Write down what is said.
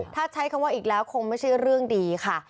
ถ้าใช้คำว่าอีกแล้วคงไม่ใช่เรื่องดีค่ะ